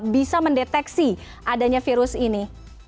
bisa mendeteksi adanya virus ini